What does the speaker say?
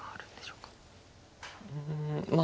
うんまあ